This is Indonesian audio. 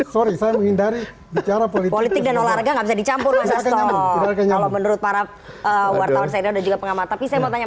politik dan olahraga dicampur menurut para wartawan saya juga pengamatan saya mau tanya